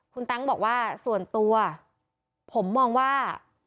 คุณแต๊งบอกว่าส่วนตัวผมมองว่า